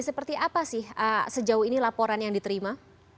seperti apa sih sejauh ini laporan yang diterima